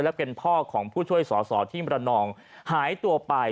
และเป็นพ่อของผู้ช่วยสอสอที่มรนองหายตัวไป